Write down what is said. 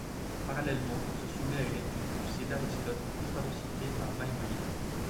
Parallèlement, il se soumet à une étude poussée d'Aristote, constamment cité par Maïmonide.